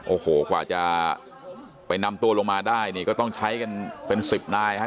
โอ้โหกว่าจะไปนำตัวลงมาได้นี่ก็ต้องใช้กันเป็นสิบนายฮะ